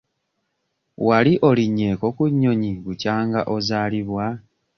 Wali olinnyeeko ku nnyonyi bukyanga ozaalibwa?